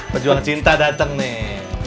pejuang cinta dateng nih